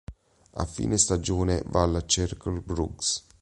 A fine stagione va al Cercle Bruges.